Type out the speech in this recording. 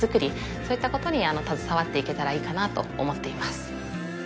そういったことに携わっていけたらいいかなと思っています